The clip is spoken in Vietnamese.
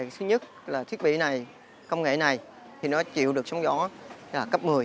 thứ nhất là thiết bị này công nghệ này nó chịu được sống gió cấp một mươi